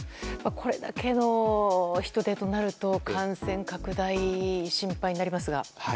これだけの人出となると感染拡大が心配になりますが。